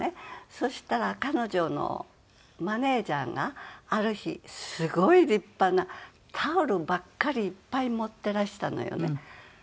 そしたら彼女のマネジャーがある日すごい立派なタオルばっかりいっぱい持ってらしたのよね。